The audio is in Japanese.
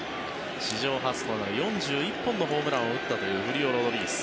史上初となる４１本のホームランを打ったというフリオ・ロドリゲス。